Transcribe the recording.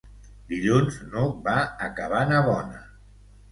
Dilluns n'Hug va a Cabanabona.